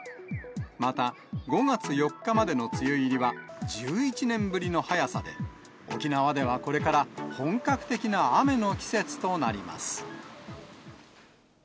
また、５月４日までの梅雨入りは、１１年ぶりの早さで、沖縄ではこれから本格的な雨の季節となります。